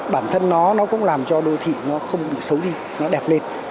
bản thân nó cũng làm cho đô thị nó không bị xấu đi nó đẹp lên